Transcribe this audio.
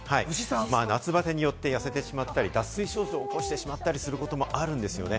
夏バテによって痩せてしまったり脱水症状を起こしてしまったりすることもあるんですよね。